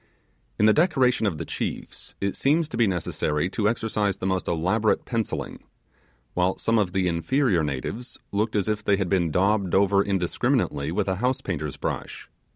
In the decoration of the chiefs it seems to be necessary to exercise the most elaborate pencilling; while some of the inferior natives looked as if they had been daubed over indiscriminately with a house painter's brush.